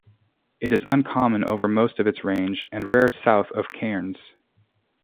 It is uncommon over most of its range, and rare south of Cairns.